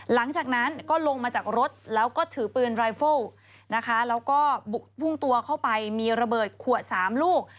หลังจากนั้นก็ลงมาจากรถแล้วก็ถือปืนรายเฟิลนะคะแล้วก็บุกพุ่งตัวเข้าไปมีระเบิดขวด๓ลูก